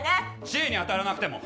知恵に当たらなくても。